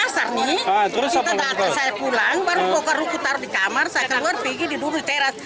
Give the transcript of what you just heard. saya pulang baru bawa keruku taruh di kamar saya keluar pergi di teras